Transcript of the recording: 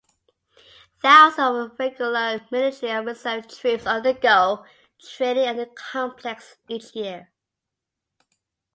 Thousands of regular military and reserve troops undergo training at the complex each year.